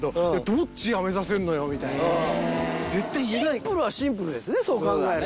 シンプルはシンプルですよねそう考えると。